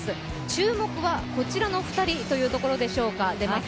注目はこちらの２人というところでしょうか。